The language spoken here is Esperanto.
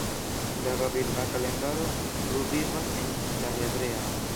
La babilona kalendaro pluvivas en la hebrea.